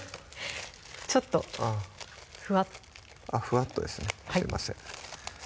ちょっとふわっふわっとですねすいません